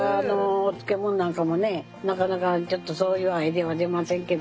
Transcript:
漬物なんかもねなかなかちょっとそういうアイデアは出ませんけど。